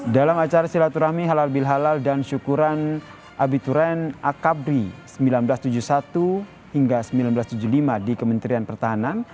dalam acara silaturahmi halal bihalal dan syukuran abiturn akabri seribu sembilan ratus tujuh puluh satu hingga seribu sembilan ratus tujuh puluh lima di kementerian pertahanan